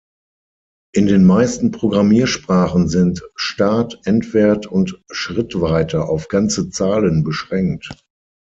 In den meisten Programmiersprachen sind Start-, Endwert und Schrittweite auf ganze Zahlen beschränkt.